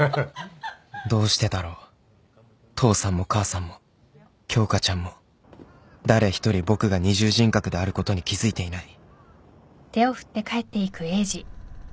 どうしてだろう父さんも母さんも京花ちゃんも誰一人僕が二重人格であることに気付いていない